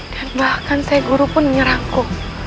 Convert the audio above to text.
dan bahkan saya guru pun menyerangku